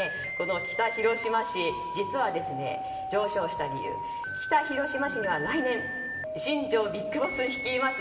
北広島市、実は上昇した理由、北広島市には来年新庄ＢＩＧＢＯＳＳ率います